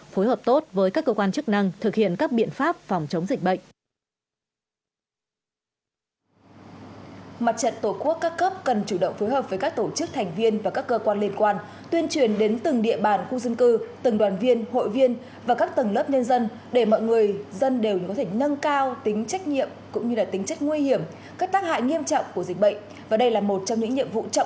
phối hợp tốt với các cơ quan chức năng thực hiện các biện pháp phòng chống dịch bệnh